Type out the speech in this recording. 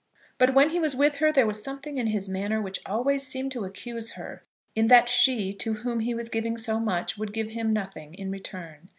But when he was with her there was a something in his manner which always seemed to accuse her in that she, to whom he was giving so much, would give him nothing in return.